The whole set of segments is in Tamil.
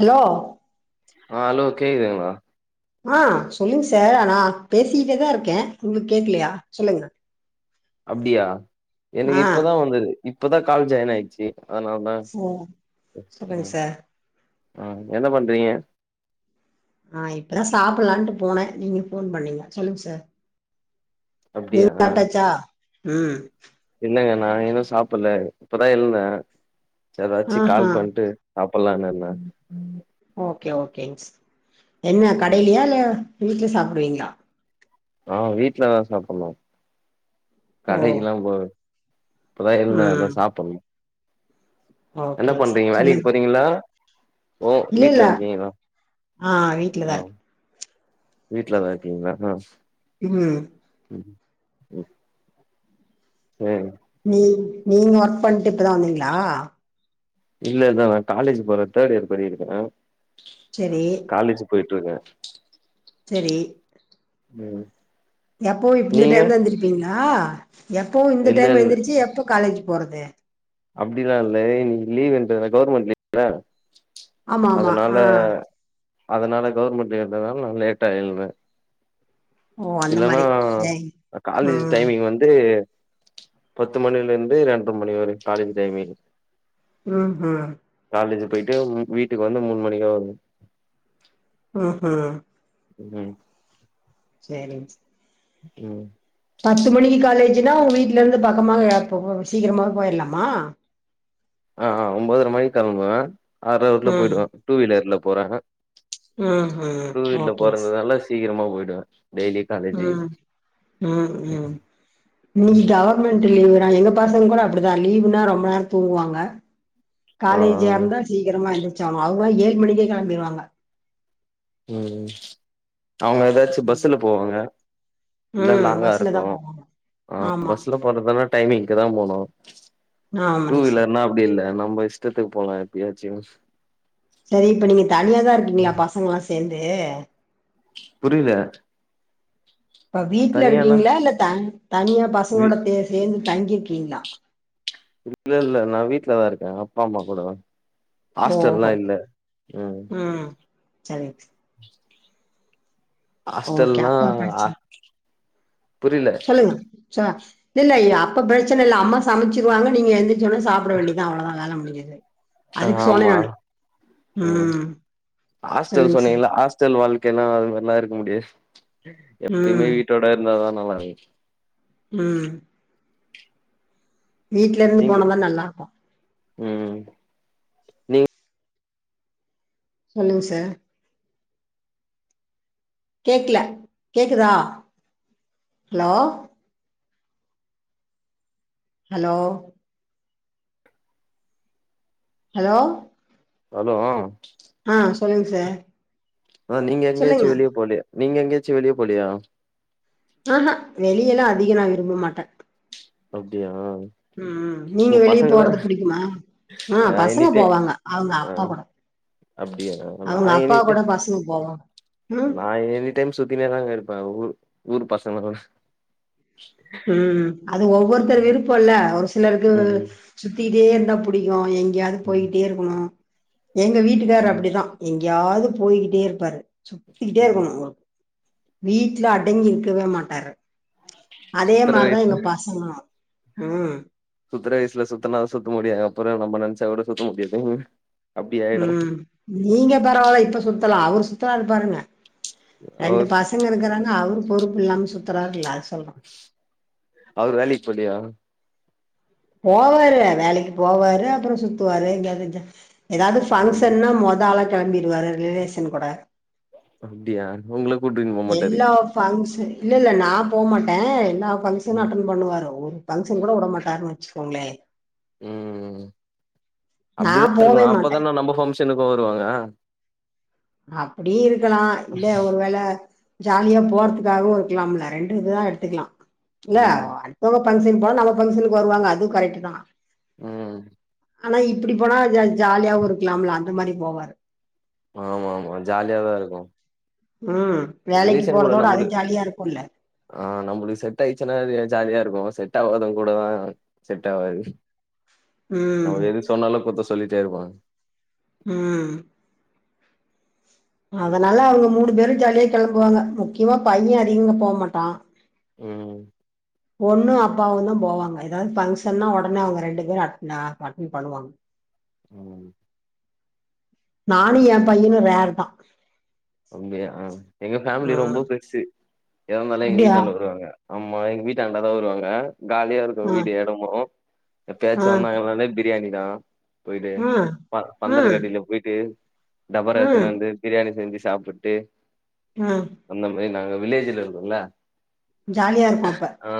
ஹலோ ஆ அலோ கேக்குதுங்களா ஆ சொல்லுங்க சார் நா பேசிட்டே தா இருக்கே உங்களுக்கு கேகலையா சொல்லுங்க அப்டியா எனக்கு ஆ இப்பதா வந்தது இப்பதா கால் ஜாயின் ஆயிடுச்சு அதனால நா ஓ சொல்லுங்க ஆ சார் ஆ என்ன பண்றீங்க நா இப்பதா சாப்பிலான்ட்டு போனேன் நீங்க ஃபோன் பண்ணீங்க சொல்லுங்க சார் நீ அப்டியா சாப்ட்டாச்சா ம் இல்லங்க நா இன்னு சாப்பிடல இப்பதா எழுந்தே ச ஏதாச்சு ஆஹா கால் பண்ட்டு சாப்பலான்னு இருந்தே ஓகே ஓகேங்க சார் என்ன ம் கடையிலையா இல்ல வீட்ல சாப்பிடுவீங்களா ஆ வீட்டுலதா சாப்புணு ஓ கடைக்குல்லா போல இப்பதா எழுந்தே அதா ம் சாப்புணு என்ன ஓகேங்க சார் பண்றீங்க வேலைக் சொல்லுங்க போறீங்களா ஓ இல்ல இல்ல வீட்ல இருக்கிங்களா ஆ வீட்லதா ம் இருக் வீட்லதா இர்க்கீங்களா ம் இரு [inaudible] செரி நீ நீங்க ஒர்க்ப்பண்ட்டு இப்பதா வந்திங்களா இல்ல இல்ல நா காலேஜ் போறே தேர்ட் இயர் படிக்கருக்றே செரீ காலேஜ் போய்ட்டி இருக்கே செரி ம் எப்போவு இந்த நீங்க டைம் தா எழுந்திருப்பீங்களா எப்போவு இந்த இல்ல டைம் இல்ல எழுந்திரிச்சு எப்போ காலேஜ் போறது அப்டிலா இல்ல இன்னிக்கி லீவ்ன்றது கவுர்மெண்ட் லீவ்தானே ஆமா ஆமா அதனால ஆ அதனால கவர்மெண்ட் லீவுன்றதுனால நா லேட்டா எழுந்த ஓ அந்த இல்லன்னா மாரி சேரி காலேஜ் ம் டைமிங் வந்து பத்து மணில இருந்து ரெண்டர மணி வரை காலேஜ் டைமிங் ம்ஹூம் காலேஜ் போய்ட்டு வீட்டுக்கு வந்து மூணு மணிக்கா வருவே ம்ஹூம் ம் சரிங் ம் பத்து மணிக்கு காலேஜ்னா ஒங்க வீட்டுல இருந்து பக்கமா போ சீக்கிரமா போயிரலாமா ஆ ஒம்பதுதரை மணிக்கு கிளம்புவே அர அவர்ல ம் போயிடுவே டூ வீலர்ல போற ம் ம் டூவீலர்ல ஓகேங்க போறதுனால சீக்கிரமா போயிடுவே டெய்லி காலேஜி ம் ம் ம் இன்னிக்கி கவர் மெண்ட் லீவ்ன்னா எங்க பசங்க கூட அப்டிதா லீவுன்னா ரொம்ப நேரோ தூங்குவாங்க ஆ காலேஜா ஆ இருந்தா சீக்கிரமா எந்திரச்சானு அவுங்களா ஏழு மணிக்கே கெளம்பிருவாங்க ம் அவுங்க ஏதாச்சு ம் பஸ்சுல போவாங்க இல்ல ம் லாங்கா பஸ்ல தா இருக்கு போவாங்க ஆ ஆமா பஸ்சுல போறதுனா டைமிங்க்கு தா போணு டூ ஆமாங்க சார் வீலர்னா அப்டி இல்ல நம்ப இஷ் டத்துக்கு போலா எப்பாயாச்சு செரி இப்ப நீங்க தனியாதா இருக்கிங்களா பசங்கல்லா சேந்து புரில இப்ப வீட்ல தனியானா இருக்கீங்களா இல்ல தன் தனியா வீ பசங்களோட தே சேந்து தங்கிருக்கீங்களா இல்ல இல்ல நா வீட்லதா இருக்கே அப்பா அம்மா கூட ஆஸ்டல்லா ஓஹோ இல்ல ம் ம் சரிங் [inaudible] [unintelligible] ஓகே ஆஸ்டல்லா அப்பா ஆ சொல்லுங் சா லில்லையா அப்ப பிரச்சன இல்ல அம்மா சமைச்சிருவாங்க நீங்க எந்தி ச்சோன சாப்பிட வேண்டியது தா அவ்ளோதா வேல முடிஞ்சது அதுக்கு சொன்னே ஆமா நானு ம் ஆஸ்டல் சொல்லுங்க சார் சொன்னீங்களா ஆஸ்டல் வாழ்க்கைனா அது மாரிலா இருக்க முடியாது ம் எப்பையுமே ம் வீட்டோட இருந்தா தா நல்லா இருக்கு ம் வீட்ல இருந்து நீங்க போனம்னா நல்லா இருக்கு ம் நீங்க சொல்லுங் சார் கேக்குல கேக்குதா ஹலோ ஹலோ ஹலோ ஹலோ ஆ சொல்லுங் சார் ஆ நீங்க சொல்லுங்க எங்கயாச்சு வெளிய போலையா நீங்க எங்கயாச்சும வெளிய போலையா ஆஹா வெளியெல்லா அதிக நா விரும்ப மாட்டே அப்டியா ம் ம் நீங்க உங்க வெளிய பசங்கள போறது புடிக்குமா ஆ பசங்க போவாங்க அவங்க ஆ அப்பா கூட அப்டியா நா அவங்க அப்பா எனிடே கூட பசங்க போவா ம் டேம் சுத்தினே தாங்க இருப்பே ஊர் ஊர் பசங்களோட ம் அது ஒவ்வொருத்தர் விருப்போல ஒரு சிலருக்கு ம் சுத்திட்டே இருந்தாப் புடிக்கு எங்கேயாவது ம் போயிட்டே இருக்கணு எங்க வீட்டுக்கார் ம் அப்பிடிதா எங்கையாது போய்கிட்டே இருப்பாரு சுத்திக்கிட்டே ம். இருக்கணு ஒ வீட்ல அடங்கி இருக்கவே மாட்டாரு அதே சுத்துற மாரிதா வயசுல எங்க பசங்களு ம் சுத்தற வயசுல சுத்தனா சுத்த முடியு அப்பறோ நம்ப நெனைச்சா கூட சுத்த முடியாதுங்க ம் நீங்க பரவாயில்ல இப்ப சுத்தலா அவரு சுத்துறாரு பாருங்க ரெண்டு அவர் பசங்க இருக்குறாங்க அவரு பொறுப்பு இல்லாம சுத்துறாருல அத சொல்றே அவரு வேலைக்கி போலியா போவாரு வேலைக்கு போவாரு அப்பறோ சுத்துவாரு எங்கயாது ஜா ஏதாவது ம் பங்க்ஷன்னா மொத ஆளா கெளம்பிடுவாரு ரிலேஷன் கூட அப்டியா உங்கள கூட்டின் போமாட்டாரு பங்க்ஷன் இல்ல இல்ல நா போமாட்டே எல்லா பங்க்ஷன்னு ம் அட்டன் பண்ணுவாரு ஒரு பங்க்ஷன் கூட விட மாட்டாருனு வச்சிக்கோங்களே ம்ம் நா அப்டிதா இருக்கணு போவே மாட்டே அப்பதானே நம்ம பங்க்ஷனுக்கு வருவாங்க அப்டியு இருக்கலா இல்ல ஒருவேள ஜாலியா போறதுக்காகவு இருக்கலாம்ல ரெண்டு இதா எடுத்துக்கலா இல்ல ம் [unintelligible] போவ பங்க்ஷன் போவோ நம்ம பங்க்ஷனுக்கு வருவாங்க அது கரக்ட்டு தா ம் ஆனா இப்பிடி போனா ஜா ஜாலியாவு இருக்கலாம்ல அந்த மாரி போவாரு ஆமா ஆமா ஜாலியாதா இருக்கு ஆ வேலைக்கு ரிலேஷன் கூட போறதோட அது நம்மளு ஜாலியா இருக்குல்ல ஆ நம்பளுக்கு செட் ஆயிச்சுன்னா அது ஜாலியா இருக்கு செட் ஆவாதவுங்க கூடதா செட் ஆவாது ம் நம்ம எது சொன்னாலு குத்தோ சொல்லிட்டே இருப்பாங்க. ம் ம் அதனால அவுங்க மூணு பேரு ஜாலியா கெளம்புவாங்க முக்கியமா பைய அதிகமா போமாட்டா ம் பொண்ணு அப்பாவு தா போவாங்க எதாவது ஃபங்ஷன்னா ஒடனே அவுங்க ரெண்டு பேரு அட் ஆ அட்டெண் பண்ணுவாங்க. ம் நானு எ பையனு ரேர் தா அப்டியா எங்க ஃபேமிலி ரொம்ப ம் பெருசு எதானாலு எங்க அப்டியா வீட்டாண்ட வருவாங்க. ஆமா எங்க வீட்டாண்ட தா வருவாங்க ஜாலியா இரு க்கு ஆ வீடு எடமு ஆ எப்பயாச்சு வந்தாங்கன்னாலே பிரியாணி தா போயிட்டு ஆ ப ஆ பந்தலுக் கடைல போய்ட்டு டபரா ஆ எடுத்துனு வந்து பிரியாணி செஞ்சு சாப்டுட்டு ஆ அந்த மாரி நாங்க வில்லேஜ்ல இருக்கோல்ல ஜாலியா இருக்கு அப்ப ஆ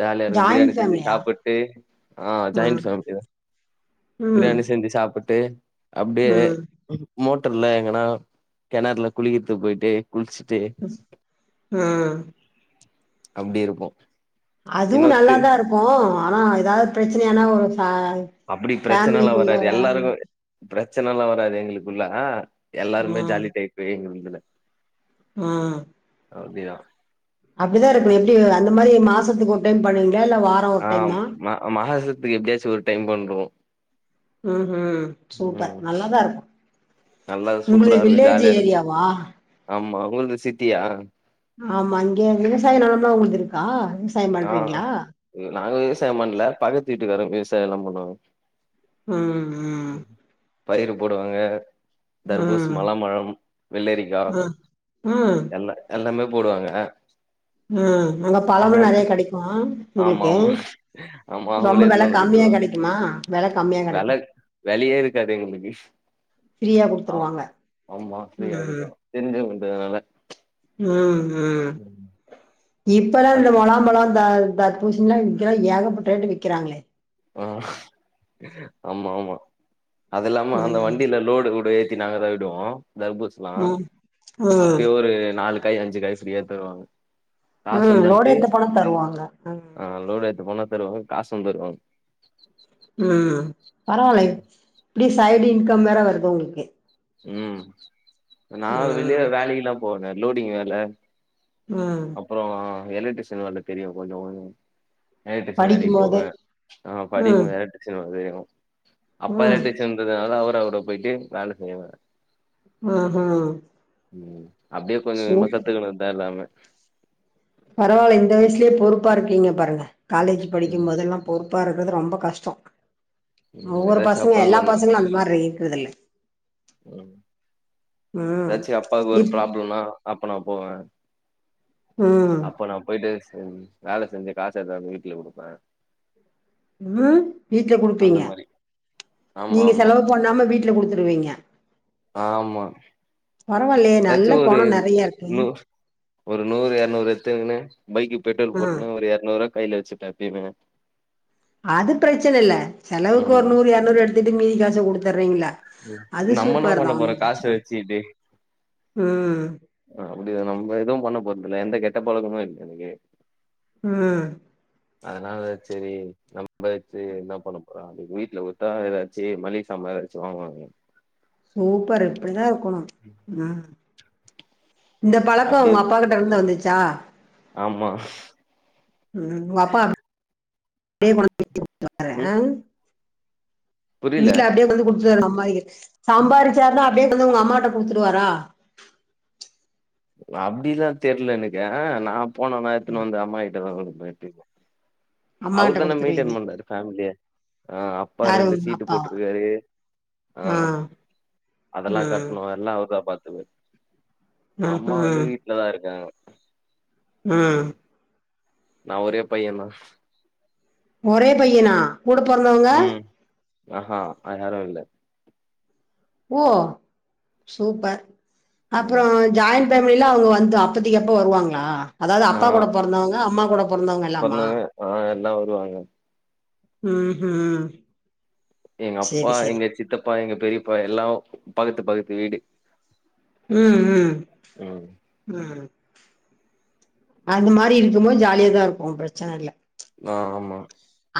ஜாலியா இருக்கு பிரியாணி ஜாயிண்ட் செஞ்சு ஃபேமிலியா சாப்புட்டு ஆ ஜாயிண்ட் ஃபேமிலி தா ம் பிரியாணி செஞ்சு சாப்புட்டு அப்டியே ம் மோட்டர்ல எங்கன்னா கெணர்ல குளிக்கத்து போயிட்டு குளிச்சுட்டு ஆ அப்டி இருப்போ அதுவு இன்னொத்து நல்லாதா இருக்கு ஆனா எதாவது பிரச்சனையானா ஒரு ஆ ஃபேமிலிக்குள்ளலா பிரச்சனல்லா வராது எங்களுக்குள்ள எல்லாருமே ம் ஜாலி டைப்பு எங்க இதுல. ம் அப்டியா அப்டிதா இருக்கணு எப்டி அந்த மாரி மாசத்துக்கு ஒரு டைம் பண்ணுவீங்களா இல்ல வா ஆ மா மஹாசத்துக்கு எப்டியாச்சு ஒரு டைம் பண்றுவோ ம்ஹூம் சூப்பர் ம் நல்லாதா இருக்கு. நல்லா சூப்பரா உங்களது இருக்கு வில்லேஜ் ஜாலியா இருக்கு ஏரியாவா ஆமா உங்கள்து சிட்டியா ஆமா அங்கே விவசாய நெலம்லா உங்களது இருக்கா விவசாயம் ஆ பண்றீங்களா நாங்க விவசாயம் பண்ல பக்கத்து வீட்டுக்காரங்க விவசாயலா பண்ணுவாங்க. ம் ம் பயிரு போடுவாங்க. ஆ தர்பூஸ் மலாமழம் வெள்ளரிக்கா ஆ ஆ எல்லா எல்லாமே போடுவாங்க அ நல்லா பழமு எல்லாமே நறைய கெடைக்கு ஆமா உங்களுக்கு ஆமா ஆமா ரொம்ப அவங்களே வெல எத்துனு வந்து கம்மியா குடுத்துருவாங்க கெடைக்குமா வெல கம்மியா கெடைக்கு வெலையே இருக்காது எங்களுக்கு ஃப்ரீயா ஆ குடுத்துருவாங்க ஆமா ம் ஃபிரீயாவுதோ தெரிஞ்சவங்கன்றனால ம் ம் இப்பெல்லா அது இந்த மலாம்பழ த தர்பூசனிலா இங்கெல்லா ஏகப்பட்ட ரேட்டு விக்கிறாங்களே ஆ ஆமா ஆமா அது இல்லாம அந்த ம் வண்டியில லோடு கூடே [unintelligible] ஆயிடு தர்பூஸ்லா ம் ம் அப்பயே ஒரு நாலு காய் அஞ்சு காய் ஃப்ரீயா தருவாங்க ஆ காசு லோட் தந்ட்டு ஏத்த போனா தருவாங்க ஆ ஆ லோடு ஏத்த போனா தருவாங்க காசும் தருவாங்க ம் பரவாயில்ல இப்டி சைடு இன்கம் வேற வருது உங்களுக்கு ம் நா வெளிய ம் வேலைக்குல்லா போவனே லோடிங் வேல ம் அப்புற எலக்ட்ரிஷன் வேல தெரியு கொஞ்ச கொஞ்ச எலக்ட்ரிஷன் வேலைக்கு போவ படிக்கும்போதே ஆ படிக்கும் ம் போது எலக்ட்ரிஷன் வந்து அப்பா ம் எலக்ட்ரி ஷன்றதுனால அவர் அவர போயிட்டு வேல செய்வாரு ஆஹ ம் அப்டியே கொஞ்ச கொஞ்ச கத்துறதுதா எல்லாமே பரவாயில்ல இந்த வயசுலயே பொறுப்பா இருக்கீங்க பாருங்க காலேஜ் படிக்கும் ம் மொதல்லா பொறுப்பாக இருக்கறது ரொம்ப கஷ்ட ம் ஒவ்வொரு ஏதாச்சு பசங்க அப்பாக்கு எல்லா ஒண்ணு பசங்களு அந்த மாரி இருக்கறதில்ல ம் ஏதாச்சு அப்பாவுக்கு ஒரு ப்ராப்ளம்னா அப்ப நா போவ ம் அப்ப நா போயிட்டே சரி வேல செஞ்ச காசு ஏதாது வீட்ல குடுப்ப ம் வீட்ல அந்த குடுப்பீங்க மாரி ஆமா நீங்க ஆமா செலவு பண்ணாம வீட்ல குடுத்துருவீங்க ஆமா பரவாயில்லயே ஏதாச்சு ஒரு இன்னு ஒரு நூறு எரநூறு எடுத்துக்கின்னு பைக்கு பெட்ரோல் ஆ போட்டுன்னு, ஒரு எரநூறுவா கையில வச்சுப்ப எப்பியுமே அது பிரச்சன இல்ல, செலவுக்கு ஒரு ம் நூறு எரநூறு எடுத்துட்டு மீதி காசு குடுத்துர்றீங்களே அது நம்ம என்ன சூப்பர்தா பண்ண போறோ ஒன்னு காச பிரச்சன இல்ல வச்சுக்கிட்டு ம் ஆ அப்டியா நம்ம எதுவு பண்ணப் போறதுல்ல எந்த கெட்ட பழக்கமும் இல்ல எனக்கு ம் [inaudible] அதனால சரி நம்ம வச்சு என்ன பண்ணப் போறோ அப்டி வீட்ல குடுத்தா ஏதாச்சு மல்லிக சாமான் எதா ச்சு வாங்குவாங்க சூப்பர் இப்டிதா இருக்கணு ம் இந்த பழக்கம் அப்டியே உங்க அப்பாக்கிட் டருந்து வந்துச்சா ஆமா ம் உங்க அப்பா [inaudible] குடுத்துடுவாரு ஆ ம் புரில வீட்ல அப்டியே கொண்டந்து குடுத்துடுவாரு அம்மாக்கிட் சம்பாரிச்சாருனா அப்டியே கொண்டந்து உங்க அம்மாக்கிட்ட குடுத்துடுவாரா அப்டிலா தெர்ல எனக்கு ஆ நா போனன்னா எடுத்துன்னு ம் வந்து அம்மாக்கிட்டதா குடுப்ப அம்மா அவுர் கிட்ட தான குடுத்துருவீங்க மெயின்டென் பண்றாரு ஃபேமிலிய ஆ அப்பா யாரு ரெண்டு உங்க சீட்டு அப்பாவா போட்ருக்காரு ஆ அதெல்லா ம் கட்ணு எல்லா அவர் தா பாத்ப்பாரு ம் அம்மா வந்து ம் வீட்லதா இருக்காங்க ஆ ம் நா ஒரே பையே தா ஒரே பையனா கூட பெறந்தவங்க ஆ ஆ வேற யாரு இல்ல ஓ சூப்பர் அப்புறோ ம் ஜாயின்ட் பேமில அவுங்க வந்து அப்பத்தக்கு அப்ப வருவாங்களா அதாவது ஆ அப்பா கூட பொறந்தவங்க அம்மா கூட பொறந்தவங்க இல்லாமா பொண்ணுங்க ஆ எல்லா வருவாங்க உ ஹு எங்க அப்பா எங்க சித்தப்பா எங்க பெரியப்பா எல்லா பகத்து பகத்து வீடு உ ம் உ உ அந்த மாரி இருக்குபோது ஜாலியா தா இருக்கு பிரச்சனை இல்ல ஆ ஆமா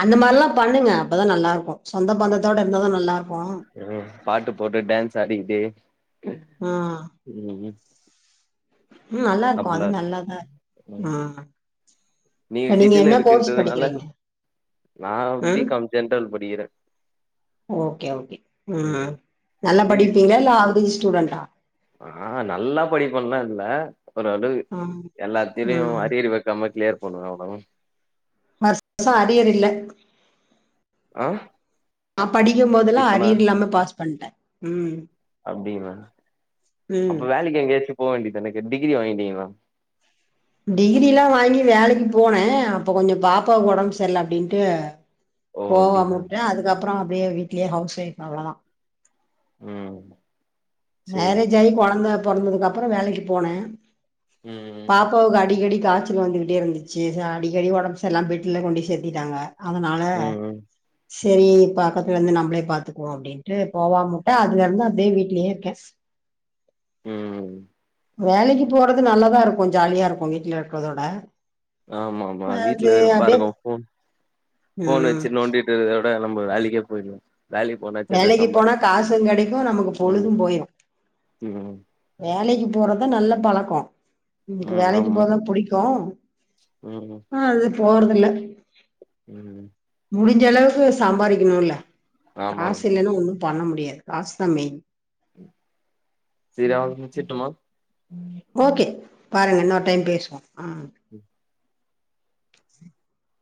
அந்த மாதிரில்லா பண்ணுங்க அப்பதா நல்லா இருக்கு சொந்த பந்தத்தோட இருந்தது நல்லா இருக்கு பாட்டு போட்டு டான்ஸ் ஆடிட்டு உ உ ம் நல்லா இருக்கு அது நல்லாதா ம் நீ நீங்க சிட்டில என்ன கோர்ஸ் இருக்குன்றதுனால படிக்கிறீங்க நா பி ம் காம் ஜென்ரல் படிக்கிறே ஓகே ஓகே ம் நல்லா நீங்க படிப்பீங்களா இல்ல ஆவரேஜ் ஸ்டூடண்ட்டா ஆ நல்லா படிப்போம்லா இல்ல ஒருளவு ம் எல்லாத்திலயு ம் அரியர் வைக்காம கிளியர் பண்ணனு அவ்வளோதா அப்ப அரியர் இல்ல ஆ நா படிக்கு போதெல்லா இப்பனா அரியர் இல்லாம பாஸ் பண்ட்டே அப்டிங்களா ம் அப்ப வேலைக்கு எங்கயாச்சு போவ வேண்டியது தானே டிகிரி வாங்கிட்டீங்களா டிகிரிலா வாங்கி வேலைக்கு போனே அப்போ கொஞ்சோ பாப்பாக்கு உடம்பு சரியில அப்டின்ட்டு ஓ போவாம அப்டிங்களா வுட்டே அதுக்கப்புறோ அப்டியே வீட்லயே ஹவுஸ் ஒய்ஃப் அவ்ளோதா உ மேரேஜ் ஆயி கொழந்த பொறந்ததுக்கு அப்றோ வேலைக்கு போனே ம் ம் பாப்பாவுக்கு அடிக்கடி காய்ச் க்ஸ் வந்துட்டே இருந்துச்சு அடிக்கடி உடம்பு சரியில்லாம பெட்ல கொண்டு சேர்த்திட்டாங்க அதுனால ம் ம் சேரி பக்கத்துல இருந்து நம்மளே பாத்துக்குவோ அப்படின்ட்டு போவாம மாட்டே அதுல இருந்து அப்டியே வீட்லயே இருக்கே [unintelligible] உ வேலைக்கு போறது நல்லதா இருக்கு ஜாலியா இருக்கு வீட்டுல இருக்கிறதோட ஆமா ஆமா அது வீட்டுல அப்படியே வெருப்பாருக்கு போன் போன் ம் வச்சு நோண்டி நம்ம வீட்ல இருக்குறத விட நம்ம வேலைக்கு போற வேலக்கு போன வேலைக்கு போனா காசு கிடைக்கு நமக்கு பொழுது போயிடு உ வேலைக்கு போறதுதா நல்ல பழக்கோ எனக்கு ம் வேலைக்கு ஆமா போக புடிக்கு ம் ஆ அது போறதுயில்ல உ முடிஞ்ச அளவுக்கு சம்பாரிக்கணும்ல ஆமா காசு ஆமா இல்லைனா ஒண்ணு பண்ண முடியாது காசு தா மெயின் செரி அவ்ளோதா வச்சிருட்டுமா ஓகே பாருங்க இன்னொரு டைம் பேசுவோ ஆ [inaudible]